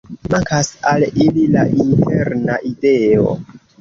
Mankas al ili la interna ideo.